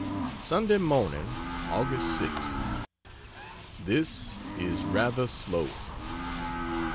Sunday Morning, Aug. 6. This is rather slow.